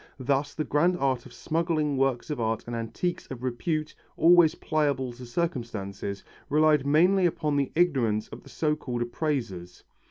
Thus the grand art of smuggling works of art and antiques of repute, always pliable to circumstances, relied mainly upon the ignorance of the so called appraisers.